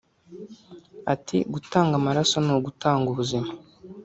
Ati “Gutanga amaraso ni ugutanga ubuzima